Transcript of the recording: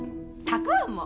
たくあんも。